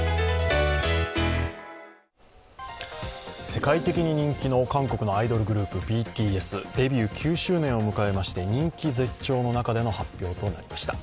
世界的に人気の韓国のアイドルグループ、ＢＴＳ。デビュー９周年を迎えまして、人気絶頂の中での発表となりました。